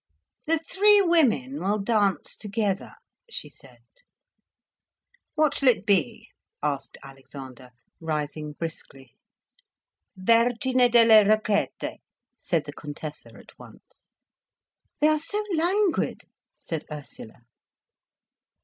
"The three women will dance together," she said. "What shall it be?" asked Alexander, rising briskly. "Vergini Delle Rocchette," said the Contessa at once. "They are so languid," said Ursula.